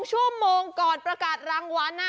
ชั่วโมงก่อนประกาศรางวัล